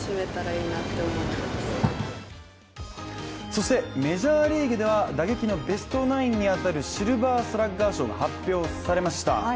そしてメジャーリーグでは打撃のベストナインに当たるシルバースラッガー賞が発表されました。